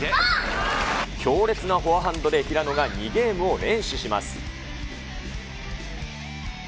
強烈なフォアハンドで平野が２ゲームを連取します。